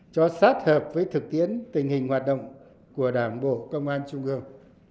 cho sát hợp với thực tiễn tình hình hoạt động của đảng bộ công an trung ương